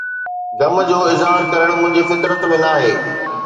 غم جو اظهار ڪرڻ منهنجي فطرت ۾ ناهي